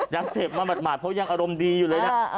ยังเจ็บมาหมาดเพราะยังอารมณ์ดีอยู่เลยนะ